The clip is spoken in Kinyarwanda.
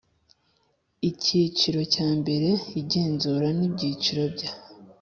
Icyiciro cya mbere Igenzura n ibyiciro bya